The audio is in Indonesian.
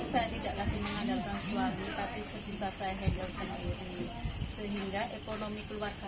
saya tidak lagi mengandalkan suatu